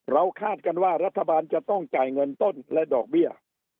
คาดกันว่ารัฐบาลจะต้องจ่ายเงินต้นและดอกเบี้ย